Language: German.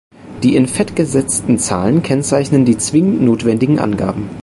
Die in fett gesetzten Zahlen kennzeichnen die zwingend notwendigen Angaben.